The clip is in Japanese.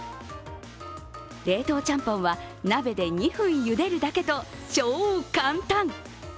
冷凍ちゃんぽんは鍋で２分ゆでるだけと超簡単。